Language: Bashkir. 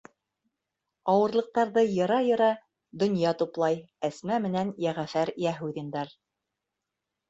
Ауырлыҡтарҙы йыра-йыра донъя туплай Әсмә менән Йәғәфәр Йәһүҙиндар.